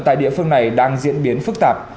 tại địa phương này đang diễn biến phức tạp